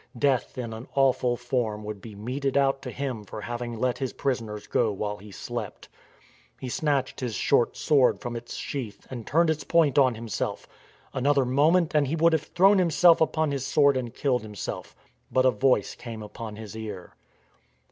Death in an awful forrn would be meted out to him for having let his prisoners go while he slept. He snatched his short sword from its sheath and turned its point on himself. Another moment and he would have thrown himself upon his sword and killed himself. But a voice came upon his ear.